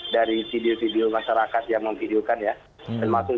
dari video video masyarakat yang memvideokan ya